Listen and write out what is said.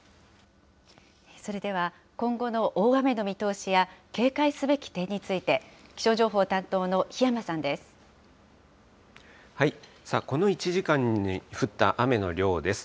それでは今後の大雨の見通しや、警戒すべき点について、気象情報担当の檜山さんです。